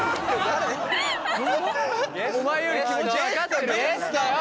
お前より気持ち分かってるよ。